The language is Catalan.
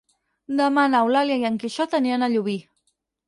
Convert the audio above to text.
Demà n'Eulàlia i en Quixot aniran a Llubí.